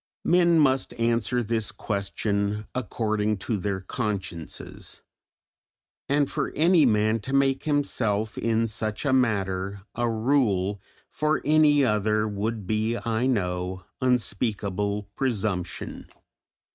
Men must answer this question according to their consciences; and for any man to make himself in such a matter a rule for any other would be, I know, unspeakable presumption.